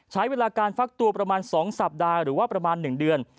ใช้เวลาการฟักตัวประมาณ๒สัปดาห์หรือว่าประมาณ๑เดือน